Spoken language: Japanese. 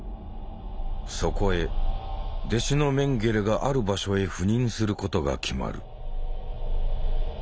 そこへ弟子のメンゲレがある場所へ赴任することが決まる。